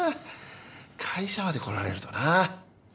会社まで来られるとな。